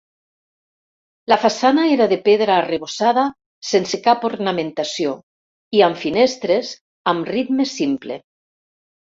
La façana era de pedra arrebossada sense cap ornamentació i amb finestres amb ritme simple.